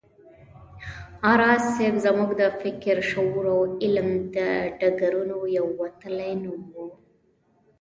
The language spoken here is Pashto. راز صيب زموږ د فکر، شعور او علم د ډګرونو یو وتلی نوم و